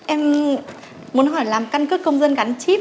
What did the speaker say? em muốn hỏi làm căn cước công dân gắn chip